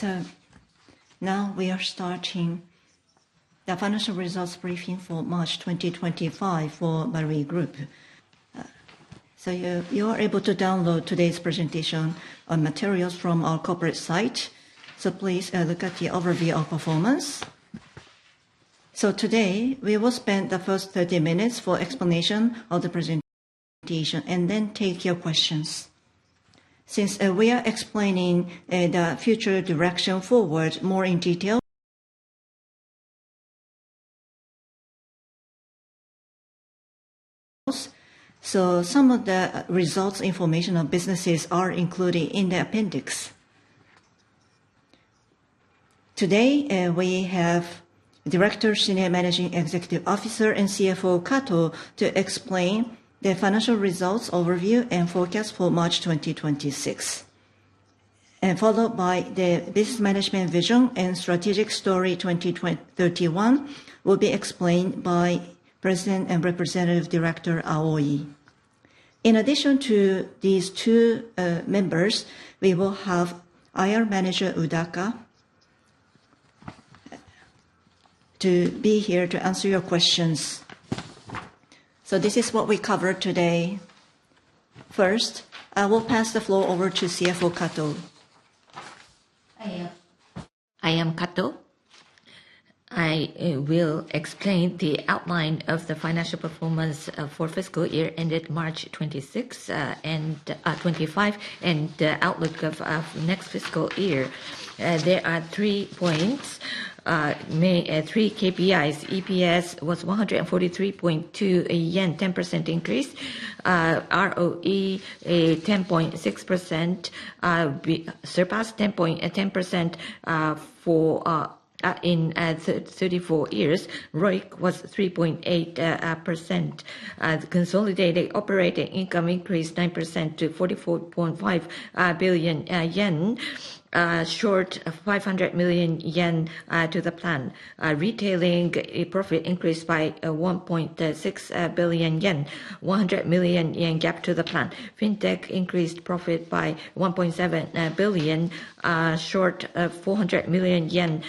We are starting the financial results briefing for March 2025 for Marui Group. You are able to download today's presentation and materials from our corporate site. Please look at the overview of performance. Today, we will spend the first 30 minutes for explanation of the presentation and then take your questions. Since we are explaining the future direction forward more in detail, some of the results information of businesses are included in the appendix. Today, we have Director, Senior Managing Executive Officer, and CFO Kato to explain the financial results overview and forecast for March 2026, followed by the Business Management Vision and Strategic Story 2031, which will be explained by President and Representative Director Aoi. In addition to these two members, we will have IR Manager Udaka here to answer your questions. This is what we cover today. First, I will pass the floor over to CFO Kato. Hi. I am Kato. I will explain the outline of the financial performance for fiscal year ended March 2026 and 2025 and the outlook of next fiscal year. There are three points, three KPIs. EPS was 143.2 yen, 10% increase. ROE, 10.6%, surpassed 10% in 34 years. ROIC was 3.8%. Consolidated operating income increased nine percent to 44.5 billion yen, short 500 million yen to the plan. Retailing profit increased by 1.6 billion yen, 100 million yen gap to the plan. Fintech increased profit by 1.7 billion, short 400 million yen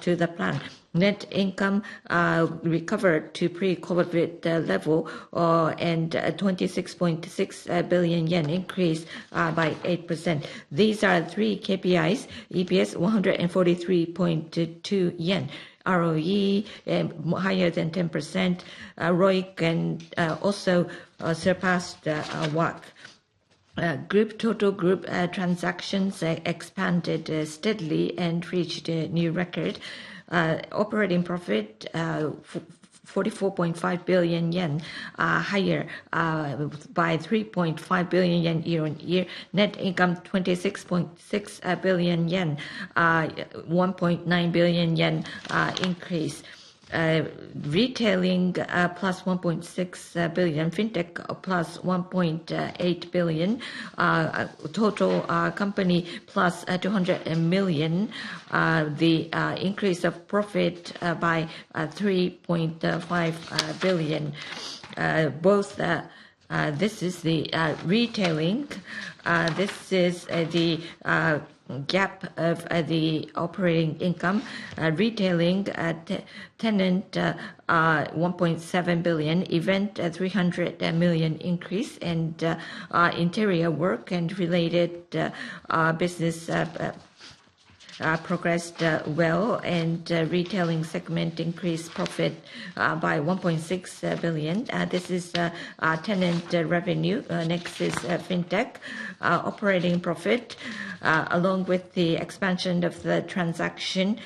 to the plan. Net income recovered to pre-COVID level and 26.6 billion yen increased by eight percent. These are three KPIs. EPS 143.2 yen, ROE higher than 10%, ROIC also surpassed WAC. Group total group transactions expanded steadily and reached a new record. Operating profit 44.5 billion yen higher by 3.5 billion yen year on year. Net income 26.6 billion yen, 1.9 billion yen increase. Retailing plus 1.6 billion, fintech plus 1.8 billion, total company plus 200 million. The increase of profit by 3.5 billion. This is the retailing. This is the gap of the operating income. Retailing tenant 1.7 billion, event 300 million increase, and interior work and related business progressed well, and retailing segment increased profit by 1.6 billion. This is tenant revenue. Next is fintech. Operating profit, along with the expansion of the transaction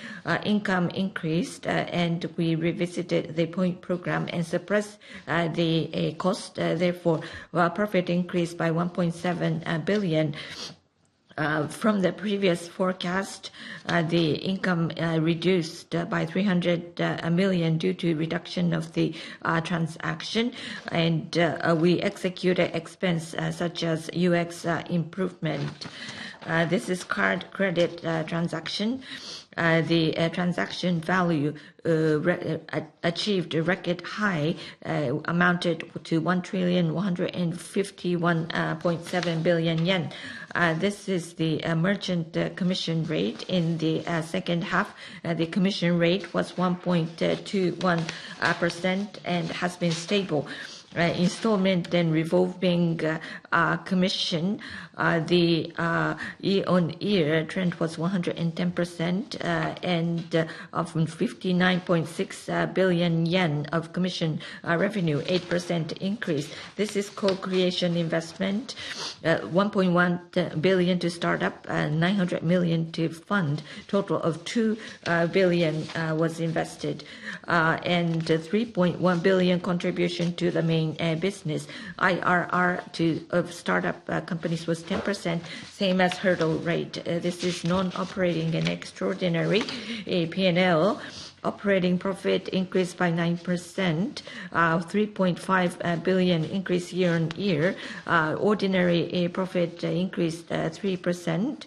income, increased, and we revisited the point program and suppressed the cost. Therefore, profit increased by 1.7 billion. From the previous forecast, the income reduced by 300 million due to reduction of the transaction, and we executed expense such as UX improvement. This is card credit transaction. The transaction value achieved a record high, amounted to 1,151.7 billion yen. This is the merchant commission rate in the second half. The commission rate was 1.21% and has been stable. Installment and revolving commission, the year-on-year trend was 110%, and of 59.6 billion yen of commission revenue, eight percent increase. This is co-creation investment, 1.1 billion to startup, 900 million to fund. Total of 2 billion was invested, and 3.1 billion contribution to the main business. IRR to startup companies was 10%, same as hurdle rate. This is non-operating and extraordinary. P&L operating profit increased by nine percent, 3.5 billion increase year on year. Ordinary profit increased three percent.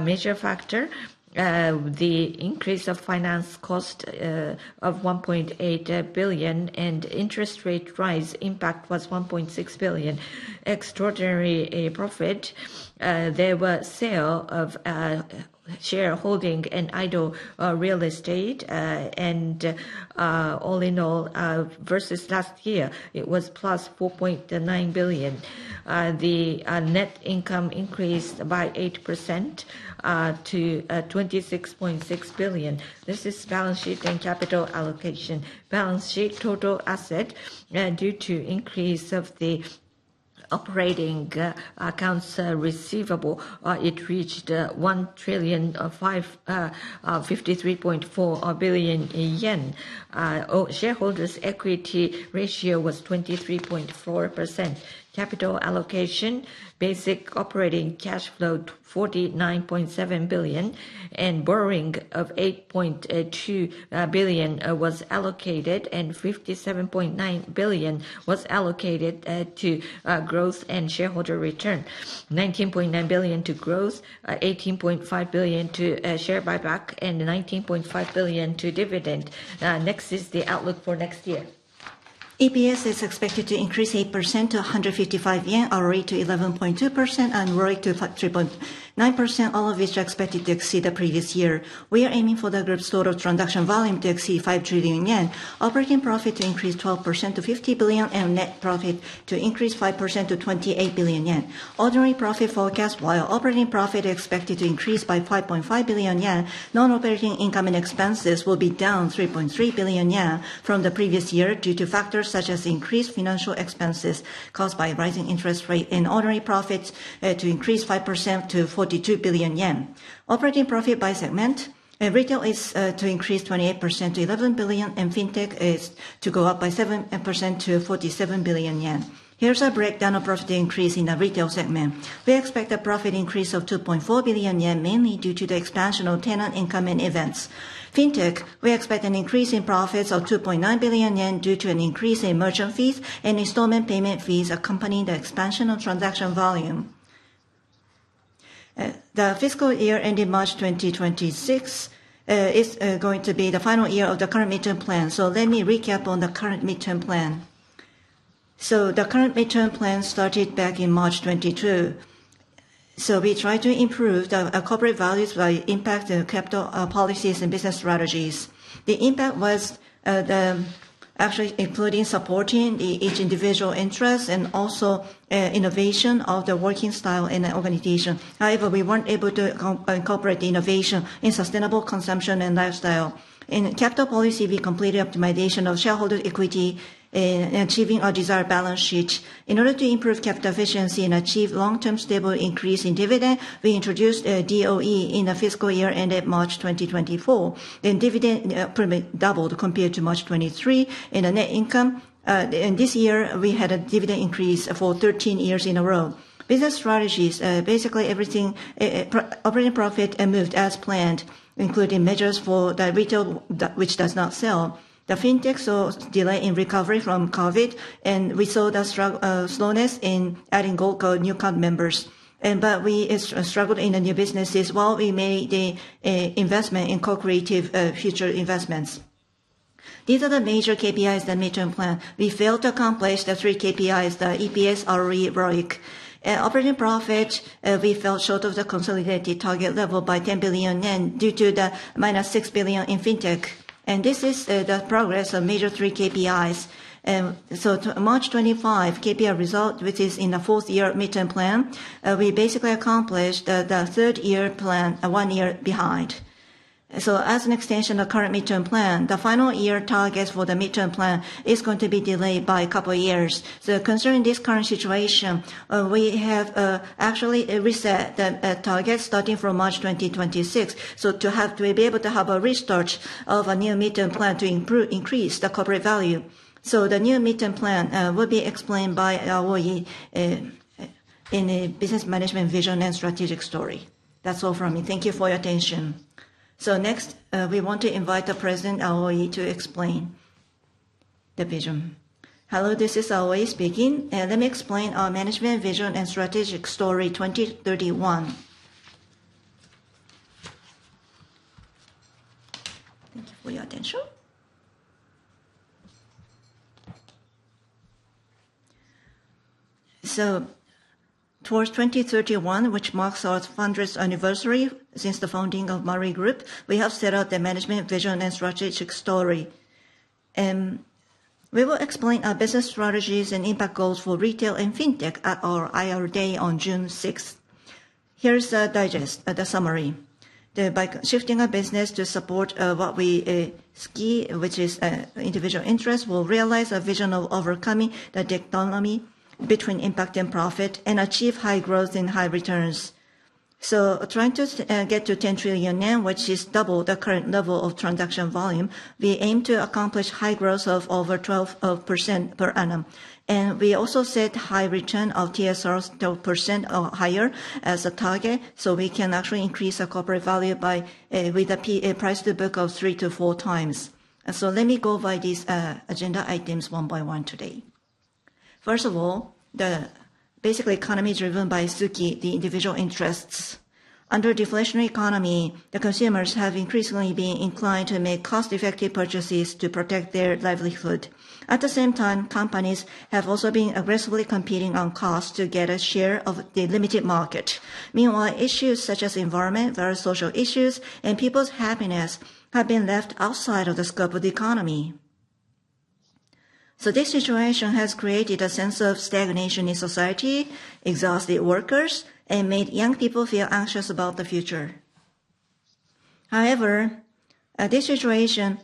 Measure factor, the increase of finance cost of 1.8 billion and interest rate rise, impact was 1.6 billion. Extraordinary profit. There were sale of shareholding and idle real estate, and all in all versus last year, it was plus 4.9 billion. The net income increased by eight percent to 26.6 billion. This is balance sheet and capital allocation. Balance sheet total asset, due to increase of the operating accounts receivable, it reached 1.0534 trillion. Shareholders' equity ratio was 23.4%. Capital allocation, basic operating cash flow 49.7 billion, and borrowing of 8.2 billion was allocated, and 57.9 billion was allocated to growth and shareholder return. 19.9 billion to growth, 18.5 billion to share buyback, and 19.5 billion to dividend. Next is the outlook for next year. EPS is expected to increase eight percent to 155 yen, ROE to 11.2%, and ROIC to 3.9%, all of which are expected to exceed the previous year. We are aiming for the group's total transaction volume to exceed 5 trillion yen, operating profit to increase 12% to 50 billion, and net profit to increase 5% to 28 billion yen. Ordinary profit forecast, while operating profit expected to increase by 5.5 billion yen, non-operating income and expenses will be down 3.3 billion yen from the previous year due to factors such as increased financial expenses caused by rising interest rate and ordinary profits to increase five percent to 42 billion yen. Operating profit by segment, retail is to increase 28% to 11 billion, and fintech is to go up by seven percent to 47 billion yen. Here's a breakdown of profit increase in the retail segment. We expect a profit increase of 2.4 billion yen, mainly due to the expansion of tenant income and events. Fintech, we expect an increase in profits of 2.9 billion yen due to an increase in merchant fees and installment payment fees accompanying the expansion of transaction volume. The fiscal year ending March 2026 is going to be the final year of the current midterm plan. Let me recap on the current midterm plan. The current midterm plan started back in March 2022. We tried to improve the corporate values by impacting capital policies and business strategies. The impact was actually including supporting each individual interest and also innovation of the working style and organization. However, we were not able to incorporate the innovation in sustainable consumption and lifestyle. In capital policy, we completed optimization of shareholder equity and achieving our desired balance sheet. In order to improve capital efficiency and achieve long-term stable increase in dividend, we introduced DOE in the fiscal year ended March 2024. The dividend doubled compared to March 2023. This year, we had a dividend increase for 13 years in a row. Business strategies, basically everything, operating profit moved as planned, including measures for the retail which does not sell. The fintech saw delay in recovery from COVID, and we saw the slowness in adding Gold Card new members. We struggled in the new businesses while we made the investment in co-creation future investments. These are the major KPIs that midterm plan. We failed to accomplish the three KPIs, the EPS, ROE, ROIC. Operating profit, we fell short of the consolidated target level by 10 billion yen due to the minus 6 billion in fintech. This is the progress of major three KPIs. March 2025 KPI result, which is in the fourth year midterm plan, we basically accomplished the third year plan, one year behind. As an extension of current midterm plan, the final year targets for the midterm plan is going to be delayed by a couple of years. Considering this current situation, we have actually reset the targets starting from March 2026. To be able to have a restart of a new midterm plan to increase the corporate value. The new midterm plan will be explained by Aoi in the business management vision and strategic story. That is all from me. Thank you for your attention. Next, we want to invite the President Aoi to explain the vision. Hello, this is Aoi speaking. Let me explain our management vision and strategic story 2031. Thank you for your attention. Towards 2031, which marks our 100th anniversary since the founding of Marui Group, we have set out the management vision and strategic story. We will explain our business strategies and impact goals for retail and fintech at our IR Day on June 6th. Here is the digest, the summary. By shifting our business to support what we see, which is individual interests, we'll realize a vision of overcoming the dichotomy between impact and profit and achieve high growth and high returns. Trying to get to 10 trillion yen, which is double the current level of transaction volume, we aim to accomplish high growth of over 12% per annum. We also set high return of TSR 12% or higher as a target so we can actually increase our corporate value with a price to book of three to four times. Let me go by these agenda items one by one today. First of all, the basically economy driven by Suki, the individual interests. Under deflationary economy, the consumers have increasingly been inclined to make cost-effective purchases to protect their livelihood. At the same time, companies have also been aggressively competing on cost to get a share of the limited market. Meanwhile, issues such as environment, various social issues, and people's happiness have been left outside of the scope of the economy. This situation has created a sense of stagnation in society, exhausted workers, and made young people feel anxious about the future. However, this situation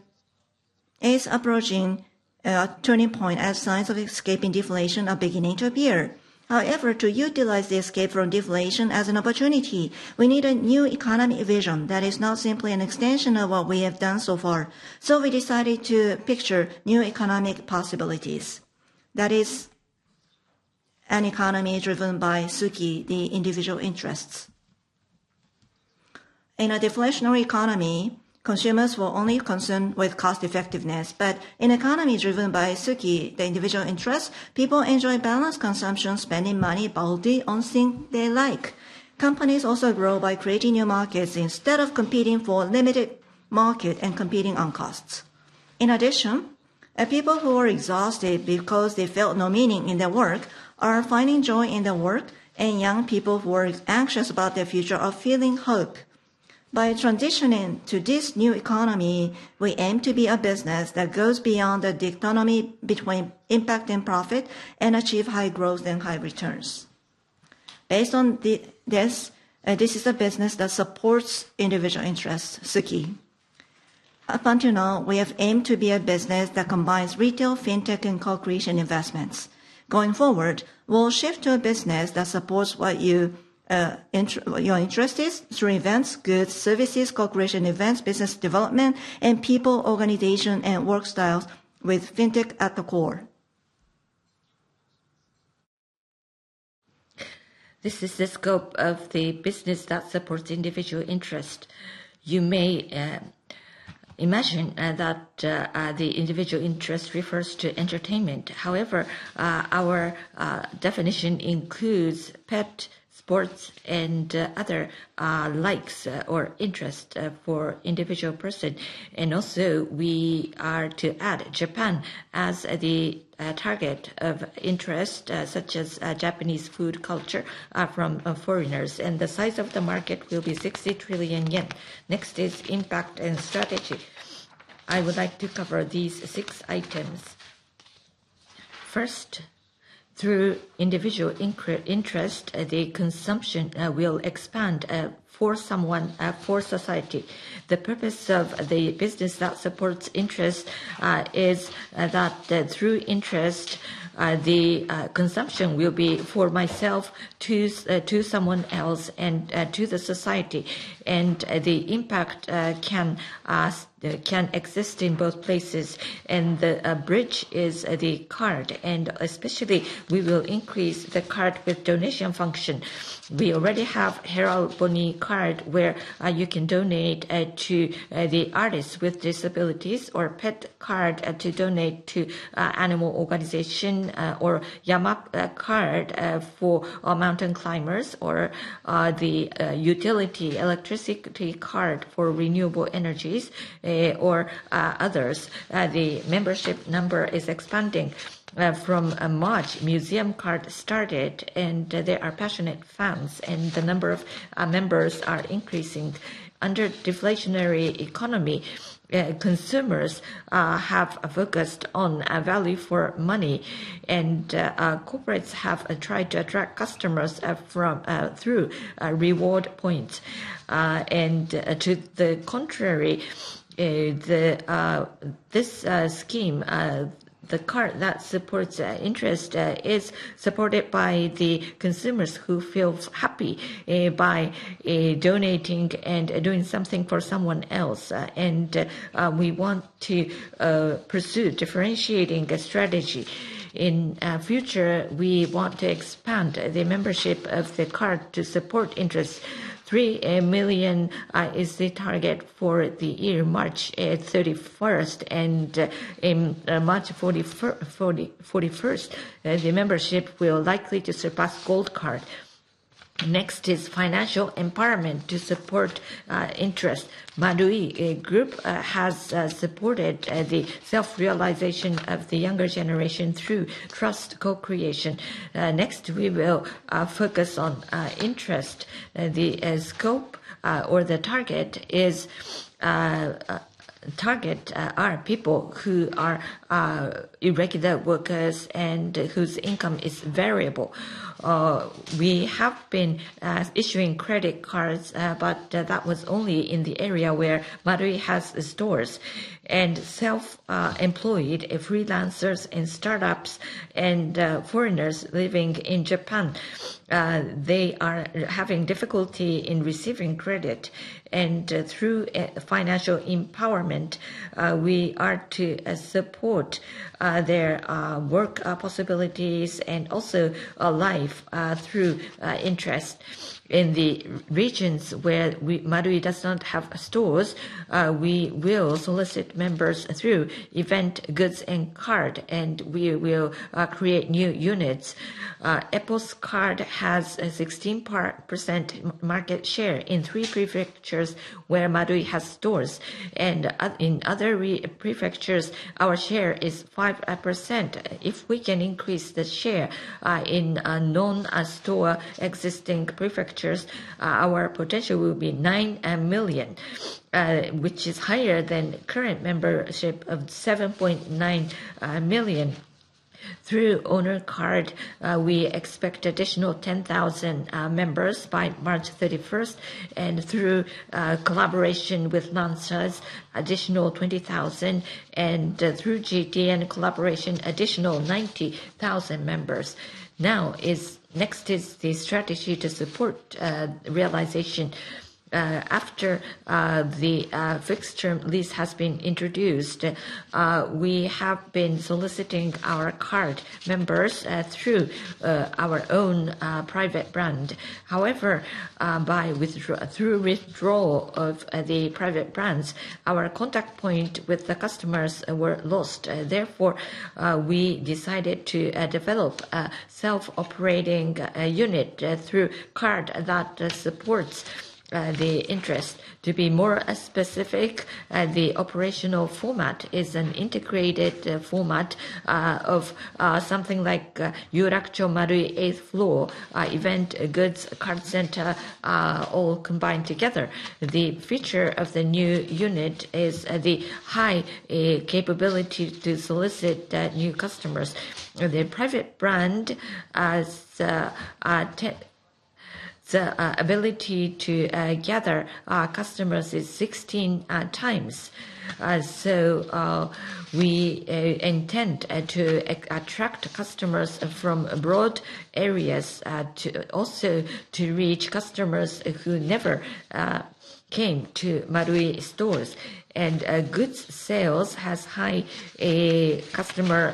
is approaching a turning point as signs of escaping deflation are beginning to appear. However, to utilize the escape from deflation as an opportunity, we need a new economic vision that is not simply an extension of what we have done so far. We decided to picture new economic possibilities. That is an economy driven by Suki, the individual interests. In a deflationary economy, consumers were only concerned with cost-effectiveness, but in an economy driven by Suki, the individual interests, people enjoy balanced consumption, spending money boldly on things they like. Companies also grow by creating new markets instead of competing for limited market and competing on costs. In addition, people who are exhausted because they felt no meaning in their work are finding joy in their work, and young people who are anxious about their future are feeling hope. By transitioning to this new economy, we aim to be a business that goes beyond the dichotomy between impact and profit and achieve high growth and high returns. Based on this, this is a business that supports individual interests, Suki. Up until now, we have aimed to be a business that combines retail, fintech, and co-creation investments. Going forward, we'll shift to a business that supports what your interest is through events, goods, services, co-creation events, business development, and people, organization, and work styles with fintech at the core. This is the scope of the business that supports individual interest. You may imagine that the individual interest refers to entertainment. However, our definition includes pet, sports, and other likes or interests for individual person. We are to add Japan as the target of interest, such as Japanese food culture from foreigners. The size of the market will be 60 trillion yen. Next is impact and strategy. I would like to cover these six items. First, through individual interest, the consumption will expand for someone, for society. The purpose of the business that supports interest is that through interest, the consumption will be for myself, to someone else, and to the society. The impact can exist in both places. The bridge is the card. Especially, we will increase the card with donation function. We already have HERALBONY Card where you can donate to the artists with disabilities, or Pet Card to donate to animal organizations, or YAMAP Card for mountain climbers, or the Utility Electricity Card for renewable energies, or others. The membership number is expanding. From March, Museum Card started, and there are passionate fans, and the number of members are increasing. Under deflationary economy, consumers have focused on value for money, and corporates have tried to attract customers through reward points. To the contrary, this scheme, the card that supports interest, is supported by the consumers who feel happy by donating and doing something for someone else. We want to pursue differentiating strategy. In future, we want to expand the membership of the card to support interest. Three million is the target for the year March 31st. In March 31st, the membership will likely surpass Gold Card. Next is financial empowerment to support interest. Marui Group has supported the self-realization of the younger generation through trust co-creation. Next, we will focus on interest. The scope or the target is our people who are irregular workers and whose income is variable. We have been issuing credit cards, but that was only in the area where Marui has stores. Self-employed, freelancers, startups, and foreigners living in Japan, they are having difficulty in receiving credit. Through financial empowerment, we are to support their work possibilities and also life through interest. In the regions where Marui does not have stores, we will solicit members through event, goods, and card, and we will create new units. EPOS Card has a 16% market share in three prefectures where Marui has stores. In other prefectures, our share is five percent. If we can increase the share in non-store existing prefectures, our potential will be nine million, which is higher than current membership of 7.9 million. Through Owner Card, we expect additional 10,000 members by March 31st. Through collaboration with Lancers, additional 20,000. Through GTN collaboration, additional 90,000 members. Next is the strategy to support realization. After the fixed-term lease has been introduced, we have been soliciting our card members through our own private brand. However, by withdrawal of the private brands, our contact point with the customers was lost. Therefore, we decided to develop a self-operating unit through card that supports the interest. To be more specific, the operational format is an integrated format of something like Yurakucho Marui 8th Floor Event, Goods, Card Center, all combined together. The feature of the new unit is the high capability to solicit new customers. The private brand has the ability to gather customers is 16 times. We intend to attract customers from abroad areas also to reach customers who never came to Marui stores. Goods sales has high customer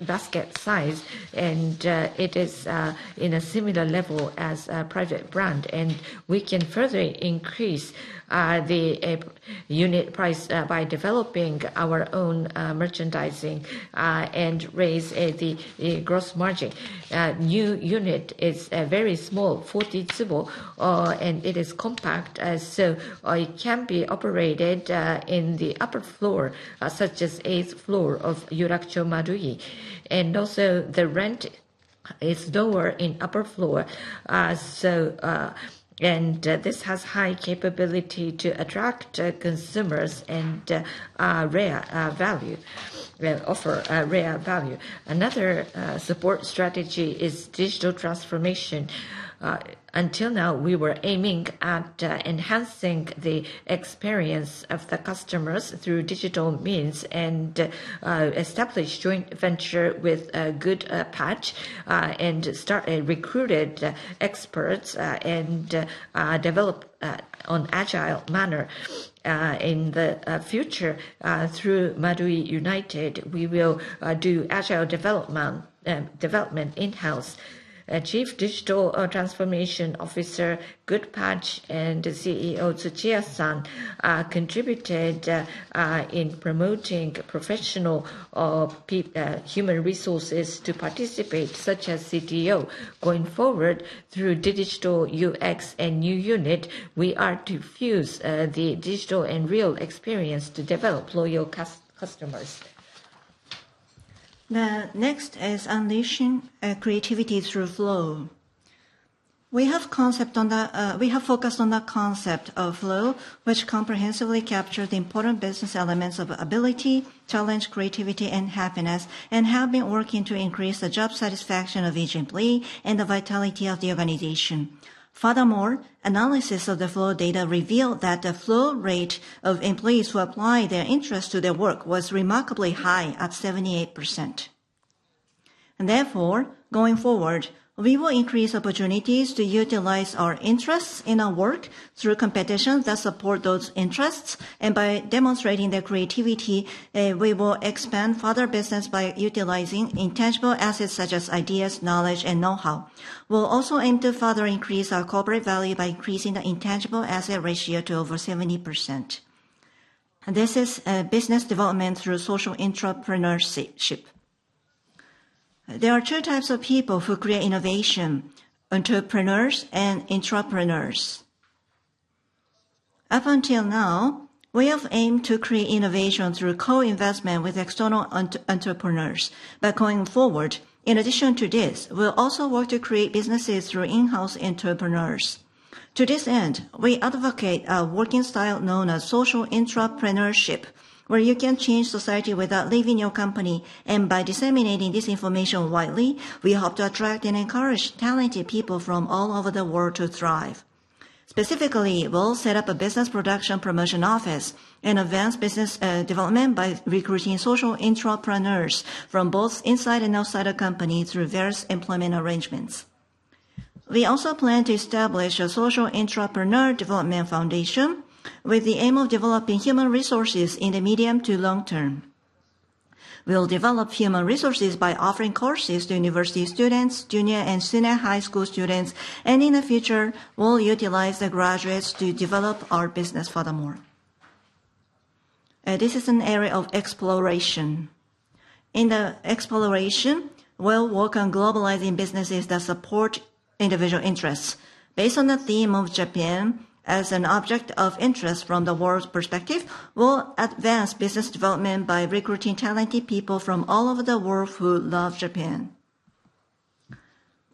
basket size, and it is in a similar level as private brand. We can further increase the unit price by developing our own merchandising and raise the gross margin. New unit is very small, 40 tsubo, and it is compact, so it can be operated in the upper floor, such as 8th floor of Yurakucho Marui. Also, the rent is lower in upper floor. This has high capability to attract consumers and offer rare value. Another support strategy is digital transformation. Until now, we were aiming at enhancing the experience of the customers through digital means and established joint venture with Good Patch and started recruited experts and developed on agile manner. In the future, through Marui United, we will do agile development in-house. Chief Digital Transformation Officer Good Patch and CEO Tsuchiya San contributed in promoting professional human resources to participate, such as CTO. Going forward, through digital UX and new unit, we are to fuse the digital and real experience to develop loyal customers. The next is unleashing creativity through flow. We have focused on the concept of flow, which comprehensively captured the important business elements of ability, challenge, creativity, and happiness, and have been working to increase the job satisfaction of each employee and the vitality of the organization. Furthermore, analysis of the flow data revealed that the flow rate of employees who apply their interest to their work was remarkably high at 78%. Therefore, going forward, we will increase opportunities to utilize our interests in our work through competition that support those interests. By demonstrating their creativity, we will expand further business by utilizing intangible assets such as ideas, knowledge, and know-how. We will also aim to further increase our corporate value by increasing the intangible asset ratio to over 70%. This is business development through social entrepreneurship. There are two types of people who create innovation: entrepreneurs and intrapreneurs. Up until now, we have aimed to create innovation through co-investment with external entrepreneurs. Going forward, in addition to this, we'll also work to create businesses through in-house entrepreneurs. To this end, we advocate a working style known as social intrapreneurship, where you can change society without leaving your company. By disseminating this information widely, we hope to attract and encourage talented people from all over the world to thrive. Specifically, we'll set up a business production promotion office and advance business development by recruiting social intrapreneurs from both inside and outside the company through various employment arrangements. We also plan to establish a social intrapreneur development foundation with the aim of developing human resources in the medium to long term. We'll develop human resources by offering courses to university students, junior and senior high school students, and in the future, we'll utilize the graduates to develop our business furthermore. This is an area of exploration. In the exploration, we'll work on globalizing businesses that support individual interests. Based on the theme of Japan as an object of interest from the world's perspective, we'll advance business development by recruiting talented people from all over the world who love Japan.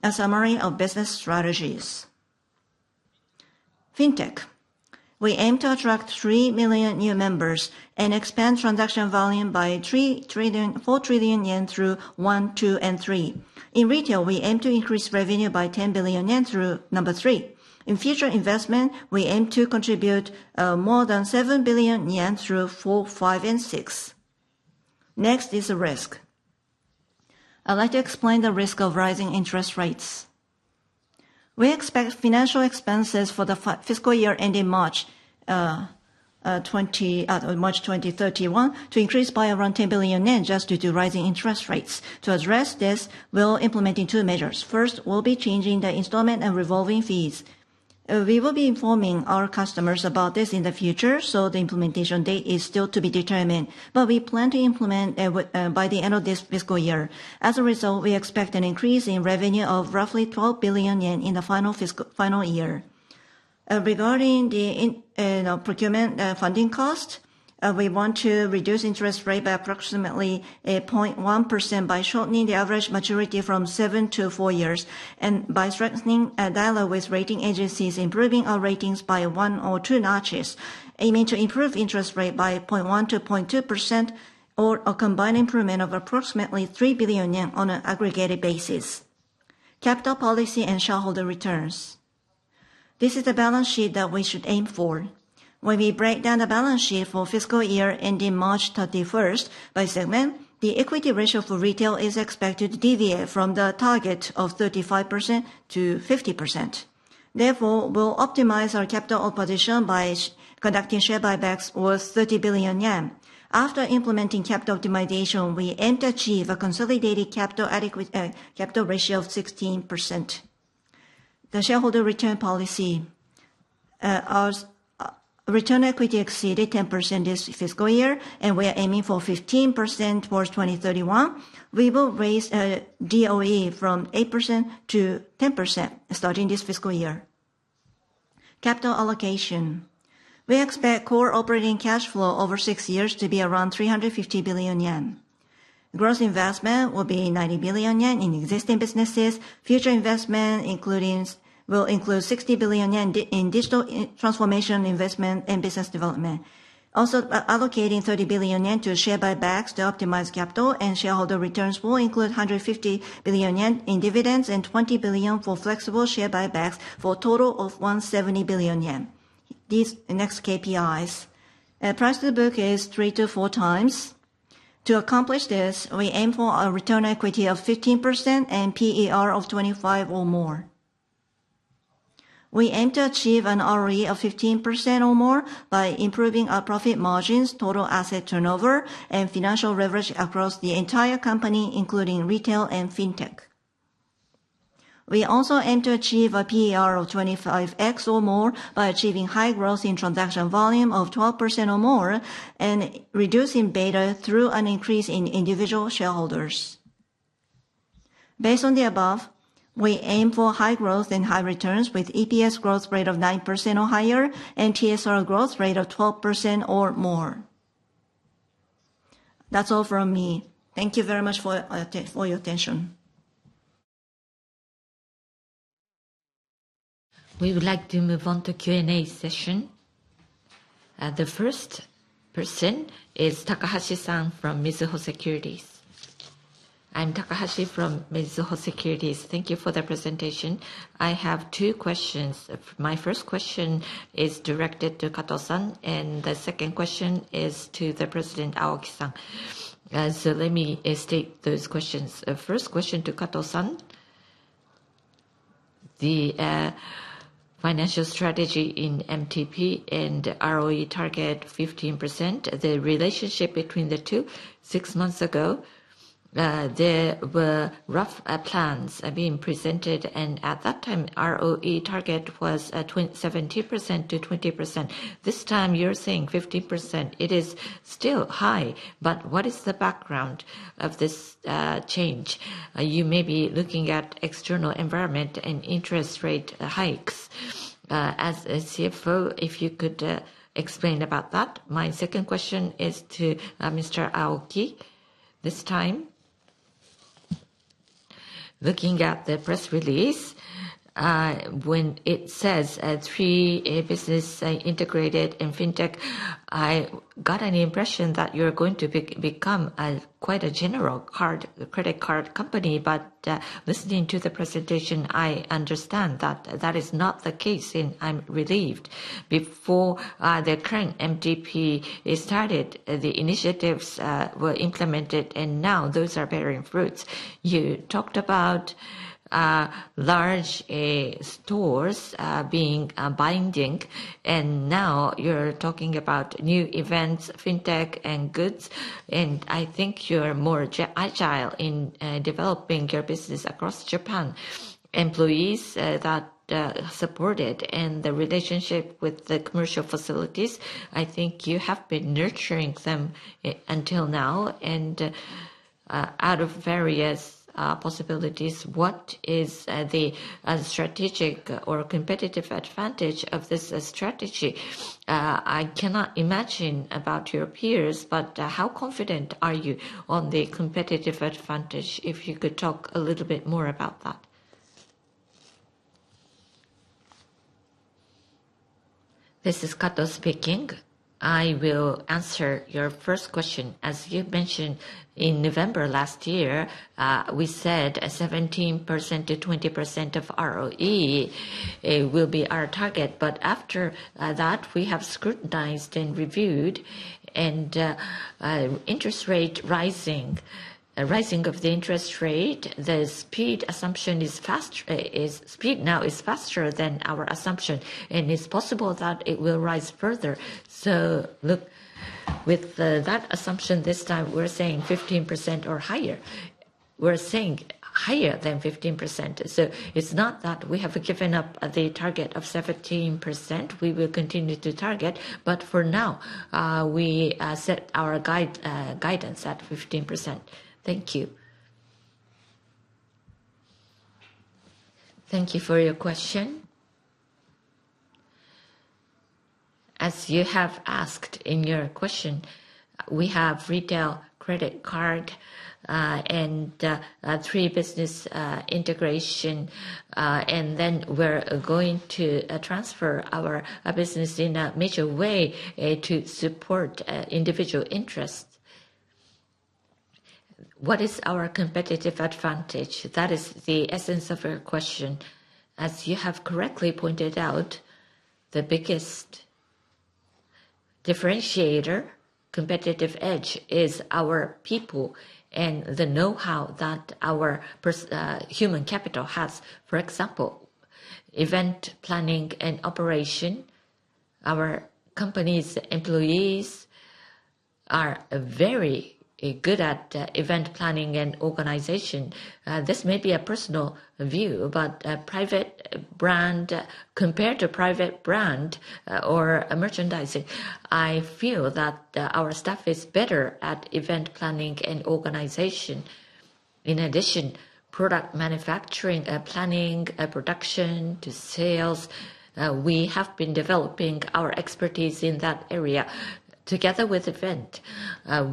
A summary of business strategies. Fintech. We aim to attract three million new members and expand transaction volume by 4 trillion yen through one, two, and three. In retail, we aim to increase revenue by 10 billion yen through number three. In future investment, we aim to contribute more than 7 billion yen through four, five, and six. Next is risk. I'd like to explain the risk of rising interest rates. We expect financial expenses for the fiscal year ending March 2031 to increase by around 10 billion yen just due to rising interest rates. To address this, we'll implement two measures. First, we'll be changing the installment and revolving fees. We will be informing our customers about this in the future, so the implementation date is still to be determined, but we plan to implement by the end of this fiscal year. As a result, we expect an increase in revenue of roughly 12 billion yen in the final year. Regarding the procurement funding cost, we want to reduce interest rate by approximately 0.1% by shortening the average maturity from seven to four years. By strengthening dialogue with rating agencies, improving our ratings by one or two notches, aiming to improve interest rate by 0.1% to 0.2% or a combined improvement of approximately 3 billion yen on an aggregated basis. Capital policy and shareholder returns. This is the balance sheet that we should aim for. When we break down the balance sheet for fiscal year ending March 31st by segment, the equity ratio for retail is expected to deviate from the target of 35%-50%. Therefore, we'll optimize our capital opposition by conducting share buybacks worth 30 billion yen. After implementing capital optimization, we aim to achieve a consolidated capital ratio of 16%. The shareholder return policy. Our return on equity exceeded 10% this fiscal year, and we are aiming for 15% towards 2031. We will raise DOE from 8% to 10% starting this fiscal year. Capital allocation. We expect core operating cash flow over six years to be around 350 billion yen. Gross investment will be 90 billion yen in existing businesses. Future investment will include 60 billion yen in digital transformation investment and business development. Also, allocating 30 billion yen to share buybacks to optimize capital and shareholder returns will include 150 billion yen in dividends and 20 billion for flexible share buybacks for a total of 170 billion yen. These next KPIs. Price to book is three to four times. To accomplish this, we aim for a return equity of 15% and PER of 25 or more. We aim to achieve an ROE of 15% or more by improving our profit margins, total asset turnover, and financial leverage across the entire company, including retail and fintech. We also aim to achieve a PER of 25x or more by achieving high growth in transaction volume of 12% or more and reducing beta through an increase in individual shareholders. Based on the above, we aim for high growth and high returns with EPS growth rate of nine percent or higher and TSR growth rate of 12% or more. That's all from me. Thank you very much for your attention. We would like to move on to Q&A session. The first person is Takahashi-san from Mizuho Securities. I'm Takahashi from Mizuho Securities. Thank you for the presentation. I have two questions. My first question is directed to Kato-san, and the second question is to the president, Aoi-san. Let me state those questions. First question to Kato-san. The financial strategy in MTP and ROE target 15%. The relationship between the two, six months ago, there were rough plans being presented, and at that time, ROE target was 17% to 20%. This time, you're seeing 15%. It is still high, but what is the background of this change? You may be looking at external environment and interest rate hikes. As a CFO, if you could explain about that. My second question is to Mr. Aoi this time. Looking at the press release, when it says three business integrated in fintech, I got an impression that you're going to become quite a general credit card company. Listening to the presentation, I understand that that is not the case, and I'm relieved. Before the current MTP started, the initiatives were implemented, and now those are bearing fruits. You talked about large stores being binding, and now you're talking about new events, fintech, and goods, and I think you're more agile in developing your business across Japan. Employees that supported and the relationship with the commercial facilities, I think you have been nurturing them until now. Out of various possibilities, what is the strategic or competitive advantage of this strategy? I cannot imagine about your peers, but how confident are you on the competitive advantage if you could talk a little bit more about that? This is Kato speaking. I will answer your first question. As you mentioned, in November last year, we said 17% to 20% of ROE will be our target. After that, we have scrutinized and reviewed, and interest rate rising, rising of the interest rate, the speed assumption is faster. Speed now is faster than our assumption, and it's possible that it will rise further. With that assumption this time, we're saying 15% or higher. We're saying higher than 15%. It's not that we have given up the target of 17%. We will continue to target, but for now, we set our guidance at 15%. Thank you. Thank you for your question. As you have asked in your question, we have retail credit card and three business integration, and then we're going to transfer our business in a major way to support individual interests. What is our competitive advantage? That is the essence of your question. As you have correctly pointed out, the biggest differentiator, competitive edge, is our people and the know-how that our human capital has. For example, event planning and operation. Our company's employees are very good at event planning and organization. This may be a personal view, but compared to private brand or merchandising, I feel that our staff is better at event planning and organization. In addition, product manufacturing, planning, production, to sales, we have been developing our expertise in that area. Together with event,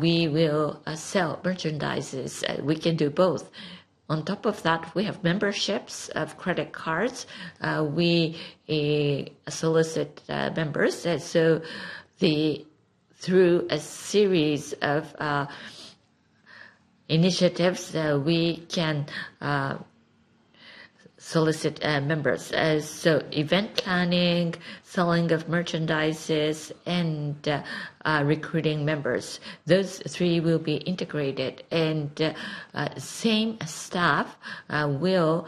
we will sell merchandise. We can do both. On top of that, we have memberships of credit cards. We solicit members. Through a series of initiatives, we can solicit members. Event planning, selling of merchandise, and recruiting members. Those three will be integrated. The same staff will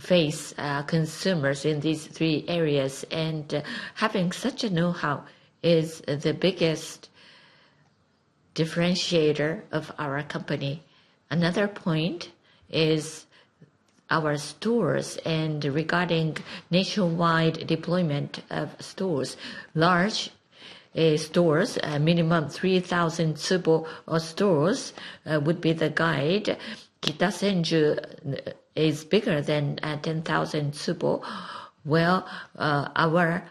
face consumers in these three areas. Having such a know-how is the biggest differentiator of our company. Another point is our stores and regarding nationwide deployment of stores. Large stores, minimum 3,000 tsubo stores, would be the guide. Kita-Senju is bigger than 10,000 tsubo. Our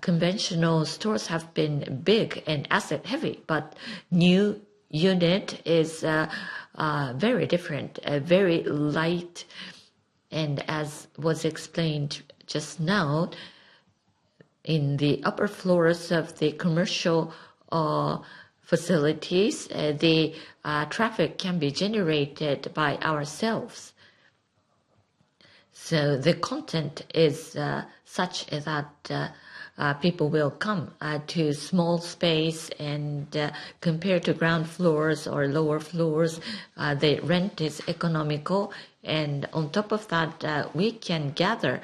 conventional stores have been big and asset-heavy, but new unit is very different, very light. As was explained just now, in the upper floors of the commercial facilities, the traffic can be generated by ourselves. The content is such that people will come to small space, and compared to ground floors or lower floors, the rent is economical. On top of that, we can gather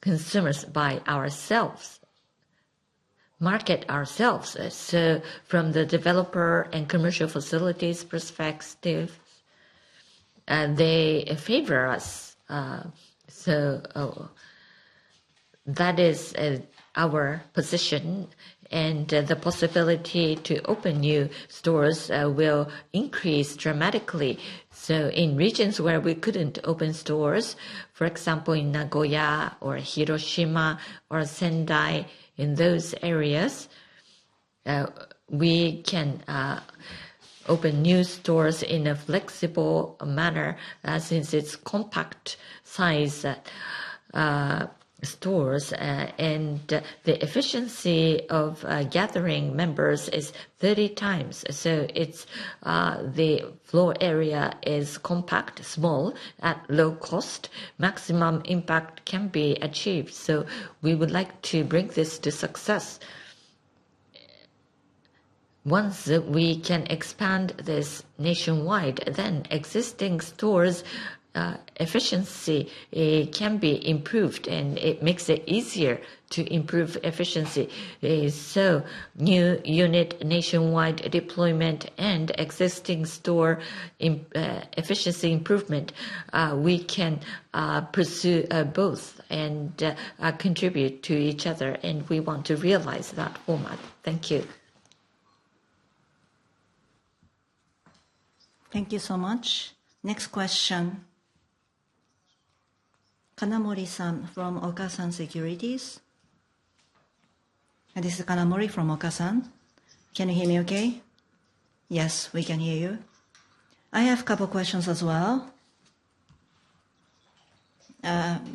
consumers by ourselves, market ourselves. From the developer and commercial facilities perspective, they favor us. That is our position. The possibility to open new stores will increase dramatically. In regions where we could not open stores, for example, in Nagoya or Hiroshima or Sendai, in those areas, we can open new stores in a flexible manner since it is compact-sized stores. The efficiency of gathering members is 30 times. The floor area is compact, small, at low cost. Maximum impact can be achieved. We would like to bring this to success. Once we can expand this nationwide, existing stores' efficiency can be improved, and it makes it easier to improve efficiency. New unit nationwide deployment and existing store efficiency improvement, we can pursue both and contribute to each other. We want to realize that format. Thank you. Thank you so much. Next question. Kanamori-san from Okasan Securities. This is Kanamori from Okasan. Can you hear me okay? Yes, we can hear you. I have a couple of questions as well,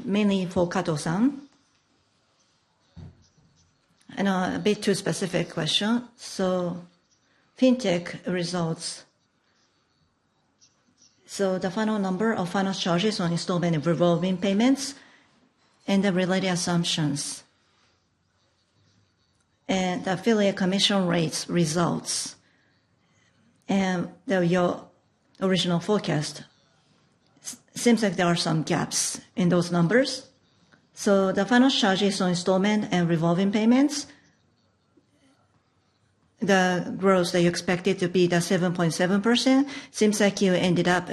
mainly for Kato-san. And a bit too specific question. Fintech results. The final number of final charges on installment and revolving payments and the related assumptions. And the affiliate commission rates results. And your original forecast. Seems like there are some gaps in those numbers. The final charges on installment and revolving payments, the growth that you expected to be 7.7%, seems like you ended up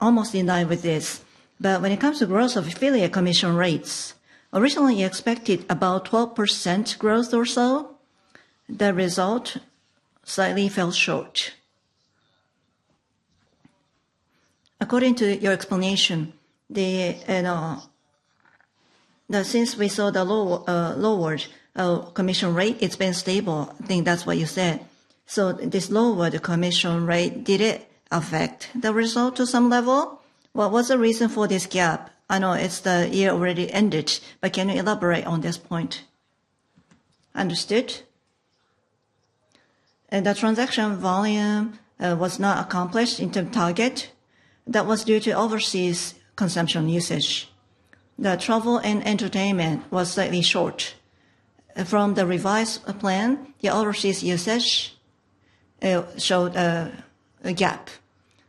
almost in line with this. When it comes to growth of affiliate commission rates, originally you expected about 12% growth or so. The result slightly fell short. According to your explanation, since we saw the lowered commission rate, it has been stable. I think that's what you said. This lowered commission rate, did it affect the result to some level? What was the reason for this gap? I know the year already ended, but can you elaborate on this point? Understood. The transaction volume was not accomplished into target. That was due to overseas consumption usage. The travel and entertainment was slightly short. From the revised plan, the overseas usage showed a gap.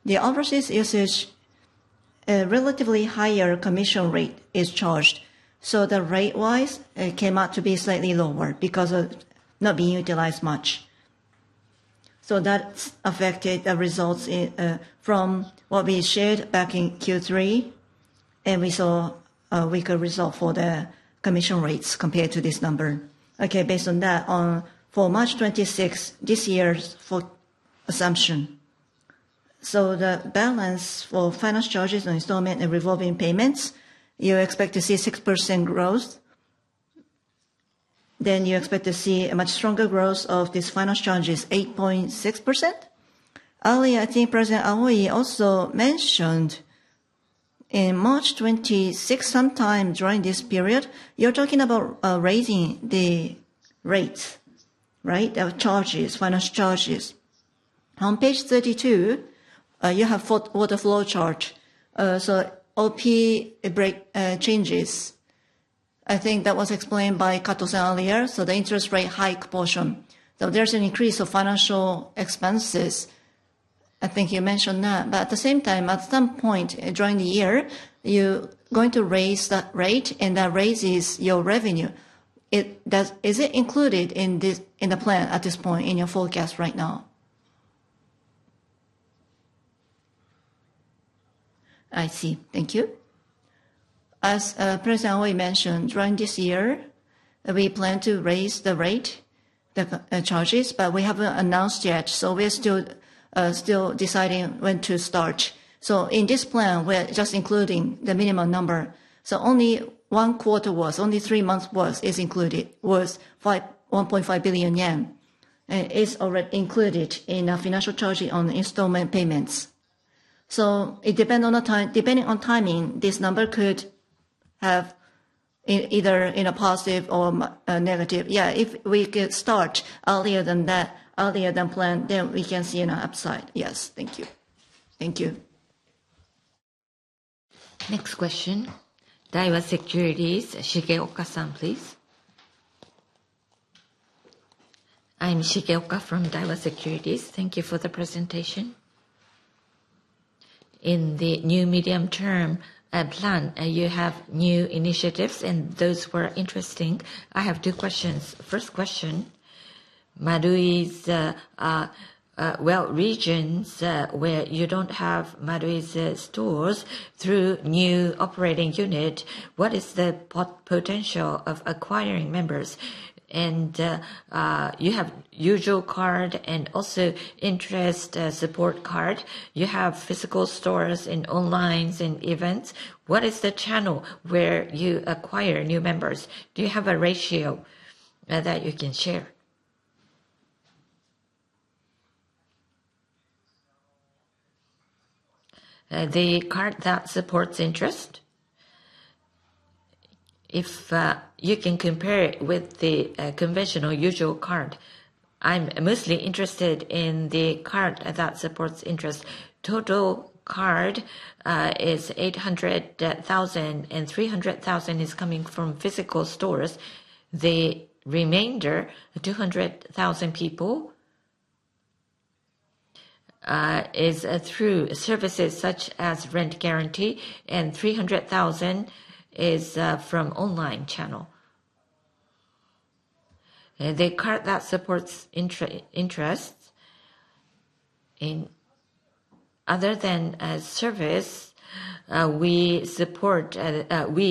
The overseas usage, a relatively higher commission rate is charged. The rate-wise came out to be slightly lower because of not being utilized much. That affected the results from what we shared back in Q3, and we saw a weaker result for the commission rates compared to this number. Okay, based on that, on March 26th, this year's assumption. The balance for final charges on installment and revolving payments, you expect to see six percent growth. You expect to see a much stronger growth of these final charges, 8.6%. Earlier, I think President Aoi also mentioned in March 26th, sometime during this period, you are talking about raising the rates, right? The charges, financial charges. On page 32, you have fought for the flow charge. OP break changes. I think that was explained by Kato-san earlier. The interest rate hike portion. There's an increase of financial expenses. I think you mentioned that. At the same time, at some point during the year, you're going to raise that rate, and that raises your revenue. Is it included in the plan at this point in your forecast right now? I see. Thank you. As President Aoi mentioned, during this year, we plan to raise the rate, the charges, but we haven't announced yet. We're still deciding when to start. In this plan, we're just including the minimum number. Only one quarter worth, only three months' worth is included, worth 1.5 billion yen. It's already included in financial charges on installment payments. It depends on timing. This number could have either a positive or a negative. Yeah, if we could start earlier than that, earlier than planned, then we can see an upside. Yes. Thank you. Thank you. Next question. Daiwa Securities, Shigeoka-san, please. I'm Shigeoka from Daiwa Securities. Thank you for the presentation. In the new medium-term plan, you have new initiatives, and those were interesting. I have two questions. First question, Marui's, regions where you don't have Marui stores through new operating unit, what is the potential of acquiring members? You have usual card and also interest support card. You have physical stores and online and events. What is the channel where you acquire new members? Do you have a ratio that you can share? The card that supports interest. If you can compare it with the conventional usual card. I'm mostly interested in the card that supports interest. Total card is 800,000, and 300,000 is coming from physical stores. The remainder, 200,000 people, is through services such as rent guarantee, and 300,000 is from online channel. The card that supports interest. Other than service, we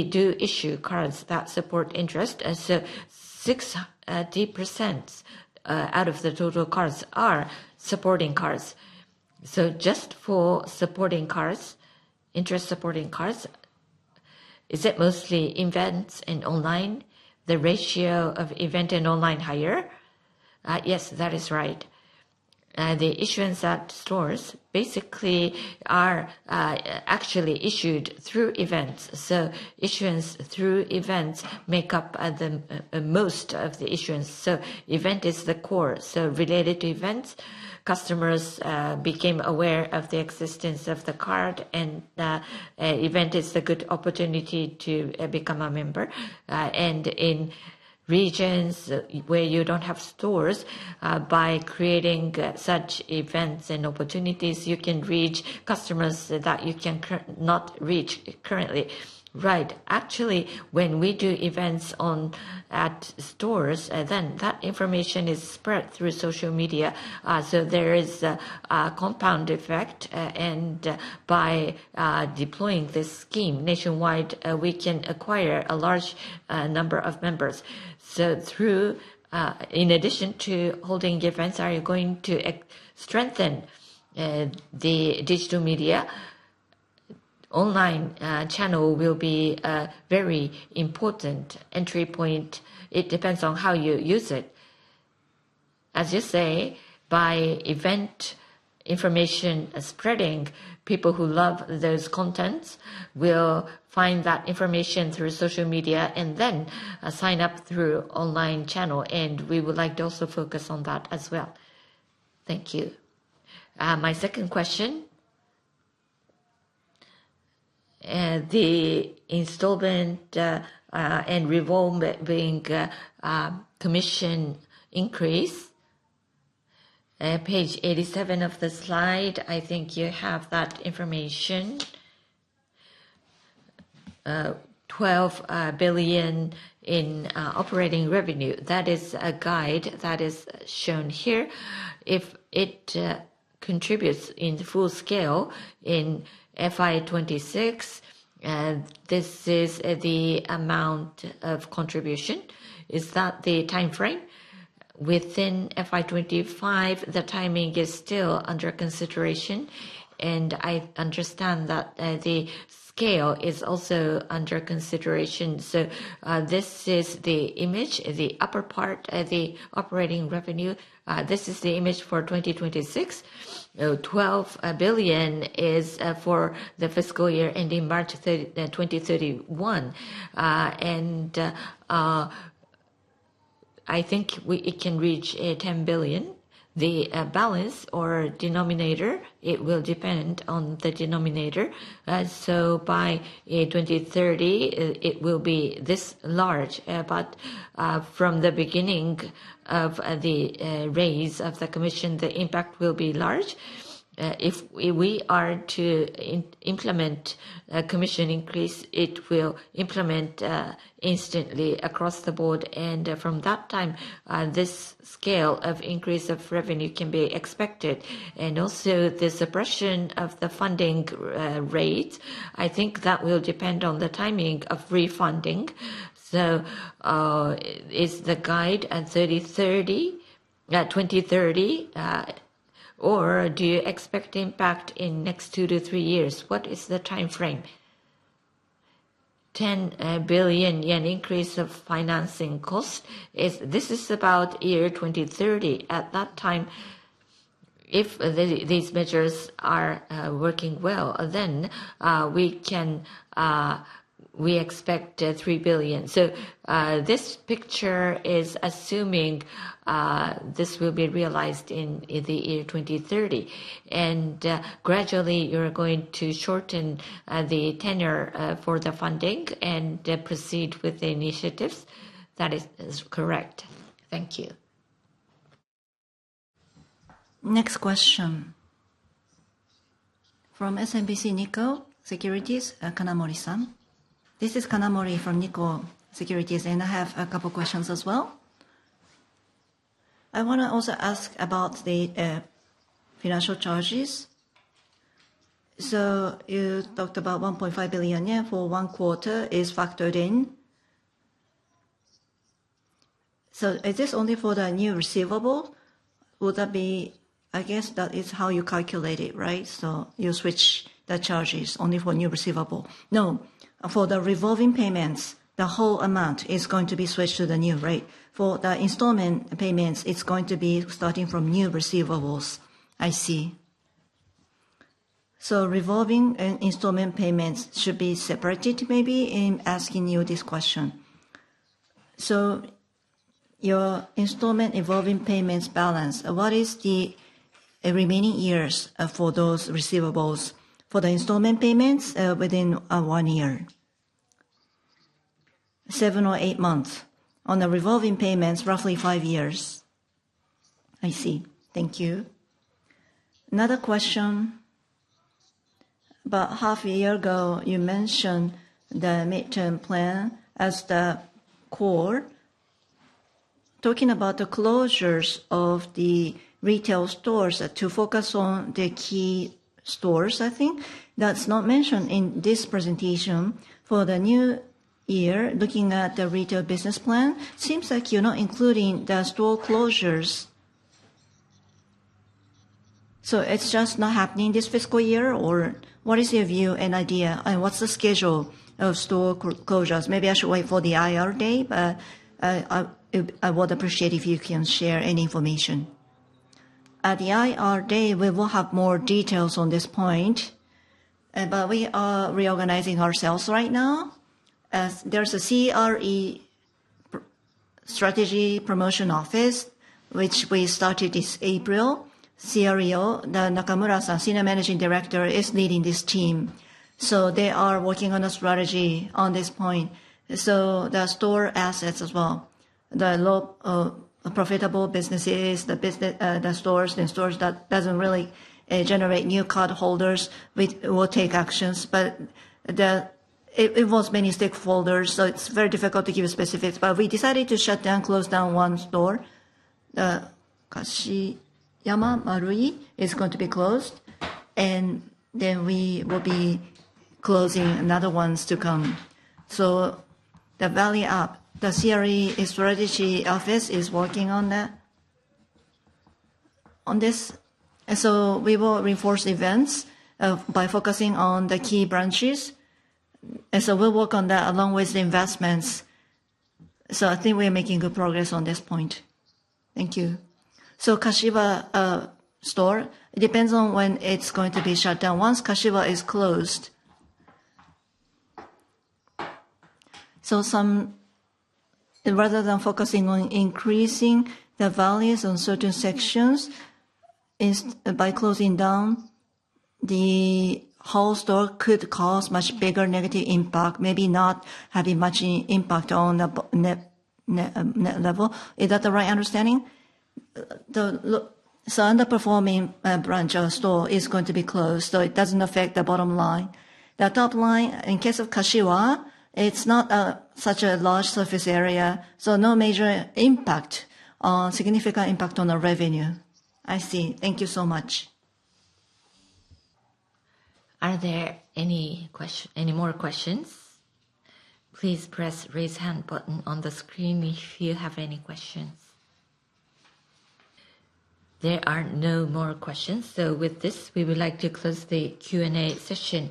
do issue cards that support interest. So 60% out of the total cards are supporting cards. Just for supporting cards, interest supporting cards, is it mostly events and online? The ratio of event and online higher? Yes, that is right. The issuance at stores basically are actually issued through events. Issuance through events makes up most of the issuance. Event is the core. Related to events, customers became aware of the existence of the card, and event is a good opportunity to become a member. In regions where you do not have stores, by creating such events and opportunities, you can reach customers that you cannot reach currently. Right. Actually, when we do events at stores, that information is spread through social media. There is a compound effect. By deploying this scheme nationwide, we can acquire a large number of members. In addition to holding events, are you going to strengthen the digital media? Online channel will be a very important entry point. It depends on how you use it. As you say, by event information spreading, people who love those contents will find that information through social media and then sign up through online channel. We would like to also focus on that as well. Thank you. My second question. The installment and revolving commission increase. Page 87 of the slide, I think you have that information. 12 billion in operating revenue. That is a guide that is shown here. If it contributes in full scale in FI2026, this is the amount of contribution. Is that the timeframe? Within FI2025, the timing is still under consideration. I understand that the scale is also under consideration. This is the image, the upper part, the operating revenue. This is the image for 2026. 12 billion is for the fiscal year ending March 2031. I think it can reach 10 billion. The balance or denominator, it will depend on the denominator. By 2030, it will be this large. From the beginning of the raise of the commission, the impact will be large. If we are to implement a commission increase, it will implement instantly across the board. From that time, this scale of increase of revenue can be expected. Also, the suppression of the funding rate, I think that will depend on the timing of refunding. Is the guide at 2030, or do you expect impact in the next two to three years? What is the timeframe? 10 billion yen increase of financing cost. This is about year 2030. At that time, if these measures are working well, then we expect 3 billion. This picture is assuming this will be realized in the year 2030. Gradually, you're going to shorten the tenure for the funding and proceed with the initiatives. That is correct. Thank you. Next question. From SNBC Nikko Securities, Kanamori-san. This is Kanamori from Nikko Securities, and I have a couple of questions as well. I want to also ask about the financial charges. You talked about 1.5 billion yen for one quarter is factored in. Is this only for the new receivable? Would that be, I guess that is how you calculate it, right? You switch the charges only for new receivable. No, for the revolving payments, the whole amount is going to be switched to the new rate. For the installment payments, it's going to be starting from new receivables. I see. Revolving and installment payments should be separated maybe in asking you this question. Your installment, revolving payments balance, what is the remaining years for those receivables? For the installment payments within one year, seven or eight months. On the revolving payments, roughly five years. I see. Thank you. Another question. About half a year ago, you mentioned the midterm plan as the core. Talking about the closures of the retail stores to focus on the key stores, I think. That's not mentioned in this presentation. For the new year, looking at the retail business plan, seems like you're not including the store closures. It's just not happening this fiscal year? What is your view and idea? What's the schedule of store closures? Maybe I should wait for the IR day, but I would appreciate if you can share any information. At the IR day, we will have more details on this point. We are reorganizing ourselves right now. There is a CRE Strategy Promotion Office, which we started this April. Nakamura-san, Senior Managing Director, is leading this team. They are working on a strategy on this point, the store assets as well. The profitable businesses, the stores and stores that do not really generate new cardholders, we will take actions. It has many stakeholders, so it is very difficult to give specifics. We decided to shut down, close down one store. Kashiyama Marui is going to be closed. We will be closing other ones to come. The value-up, the CRE Strategy Office is working on this. We will reinforce events by focusing on the key branches. We will work on that along with the investments. I think we're making good progress on this point. Thank you. Kashiyama store, it depends on when it's going to be shut down. Once Kashiyama is closed, rather than focusing on increasing the values on certain sections by closing down, the whole store could cause much bigger negative impact, maybe not having much impact on the net level. Is that the right understanding? An underperforming branch or store is going to be closed. It does not affect the bottom line. The top line, in the case of Kashiyama Marui, it's not such a large surface area. No major impact, significant impact on the revenue. I see. Thank you so much. Are there any more questions? Please press the raise hand button on the screen if you have any questions. There are no more questions. With this, we would like to close the Q&A session.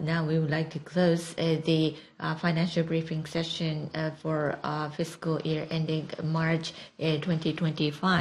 Now we would like to close the financial briefing session for fiscal year ending March 2025.